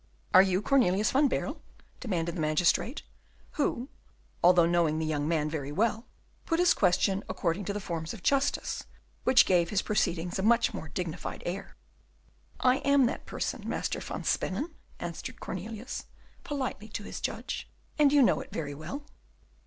"Are you Dr. Cornelius van Baerle?" demanded the magistrate (who, although knowing the young man very well, put his question according to the forms of justice, which gave his proceedings a much more dignified air). "I am that person, Master van Spennen," answered Cornelius, politely, to his judge, "and you know it very well."